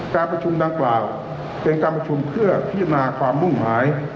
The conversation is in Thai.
การประชุมดังกล่าวเป็นการประชุมเพื่อพิจารณาความมุ่งหมาย